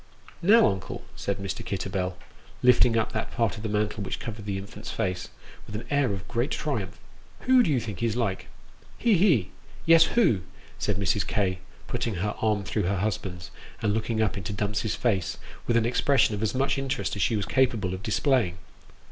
Now, uncle," said Mr. Kitterbell, lifting up that part of the mantle which covered the infant's face, with an air of great triumph, " Who do you think he's like ?"" He ! he ! Yes, who ?" said Mrs. K., putting her arm through her husband's, and looking up into Dumps's face with an expression of as much interest as she was capable of displaying.